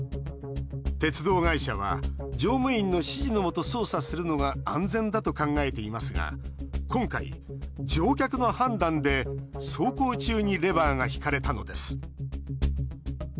鉄道会社は乗務員の指示のもと操作するのが安全だと考えていますが今回、乗客の判断で走行中にレバーが引かれたのです。